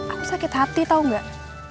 aku sakit hati tau gak